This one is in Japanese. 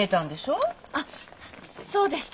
あっそうでした。